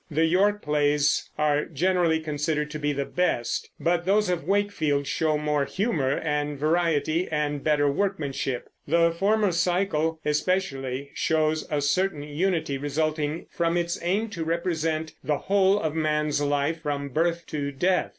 The York plays are generally considered to be the best; but those of Wakefield show more humor and variety, and better workmanship. The former cycle especially shows a certain unity resulting from its aim to represent the whole of man's life from birth to death.